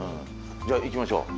じゃあいきましょう。